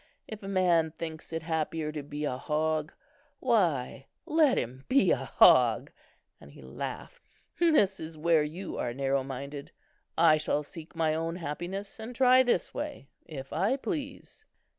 If a man thinks it happier to be a hog, why, let him be a hog," and he laughed. "This is where you are narrow minded. I shall seek my own happiness, and try this way, if I please."